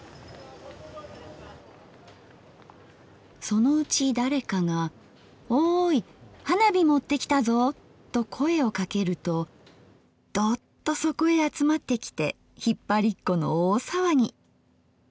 「そのうち誰かが『オーイ花火持ってきたぞ！』と声をかけるとどっとそこへ集まってきて引っ張りっこの大さわぎ。